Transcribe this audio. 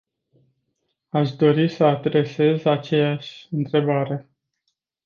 Aș dori să adresez aceeași întrebare.